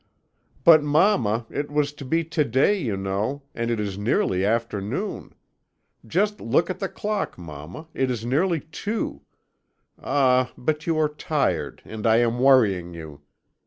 "'But, mamma, it was to be to day, you know, and it is nearly afternoon. Just look at the clock, mamma, it is nearly two Ah, but you are tired, and I am worrying you!